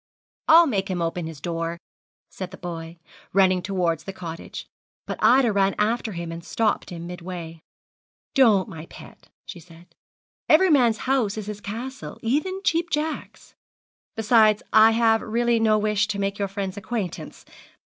'I'll make him open his door,' said the boy, running towards the cottage; but Ida ran after him and stopped him midway. 'Don't, my pet,' she said; 'every man's house is his castle, even Cheap Jack's. Besides I have really no wish to make your friend's acquaintance.